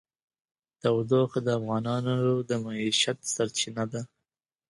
تودوخه د افغانانو د معیشت سرچینه ده.